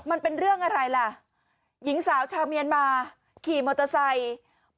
มันเป็นเรื่องอะไรล่ะหญิงสาวชาวเมียนมาขี่มอเตอร์ไซค์